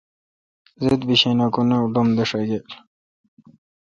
زیدہ بیشین اں کہ نہ ڈم داݭاگیل۔